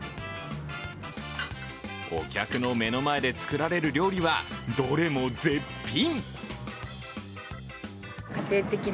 お客の目の前で作られる料理はどれも絶品。